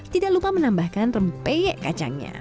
tidak lupa menambahkan rempeyek kacangnya